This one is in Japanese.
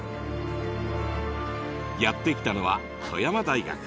やって来たのは富山大学。